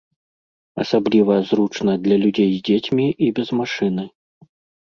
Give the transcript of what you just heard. Асабліва зручна для людзей з дзецьмі і без машыны.